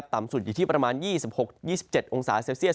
ต่ำสุดอยู่ที่ประมาณ๒๖๒๗องศาเซลเซียส